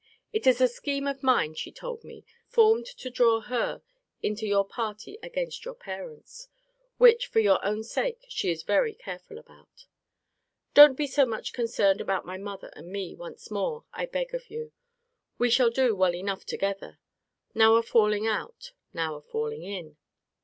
It is a scheme of mine, she told me, formed to draw her into your party against your parents. Which, for your own sake, she is very careful about. Don't be so much concerned about my mother and me, once more, I beg of you. We shall do well enough together now a falling out, now a falling in.